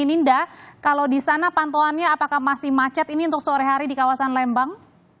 ninda kalau di sana pantauannya apakah masih macet ini untuk sore hari di kawasan lembang